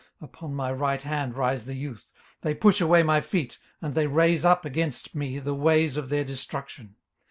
18:030:012 Upon my right hand rise the youth; they push away my feet, and they raise up against me the ways of their destruction.